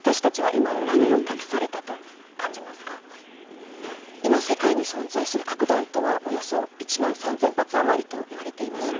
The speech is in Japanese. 今世界に存在する核弾頭はおよそ１万３０００発余りといわれています。